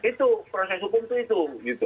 itu proses hukum itu